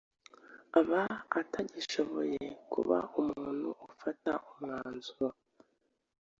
aba atagishoboye kuba umuntu gufata umwanzuro